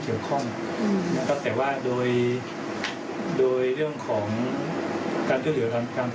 ก็ยังอยู่ในการให้ความเกี่ยวเหลือตลอด